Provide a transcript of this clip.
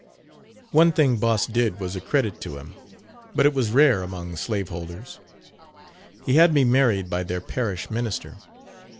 One thing Boss did was a credit to him, but it was rare among slave holders he had me married by their parish minister.